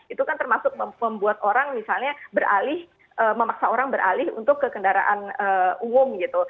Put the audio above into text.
itu kan termasuk membuat orang misalnya beralih memaksa orang beralih untuk ke kendaraan umum gitu